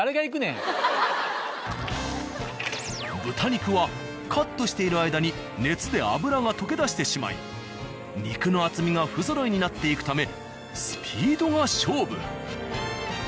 豚肉はカットしている間に熱で脂が溶け出してしまい肉の厚みが不ぞろいになっていくためスピードが勝負。